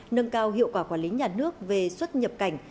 nâng cao hiệu quả quản lý nhà nước về xuất nhập cảnh